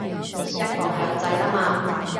一國兩制喇嘛